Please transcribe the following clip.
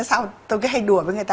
sau tôi cứ hay đùa với người ta